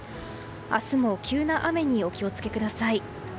明日も急な雨にお気を付けください。